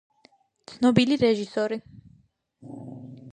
ცნობილი რეჟისორი